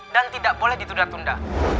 dan tidak boleh ditunda tunda